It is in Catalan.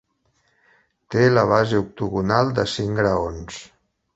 Té la base octogonal de cinc graons.